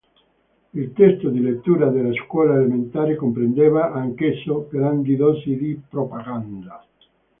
Il testo di lettura della scuola elementare comprendeva anch'esso grandi dosi di propaganda.